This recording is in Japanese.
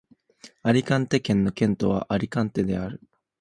アリカンテ県の県都はアリカンテである